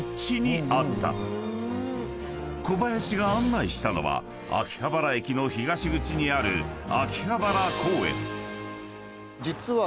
［小林が案内したのは秋葉原駅の東口にある］実は。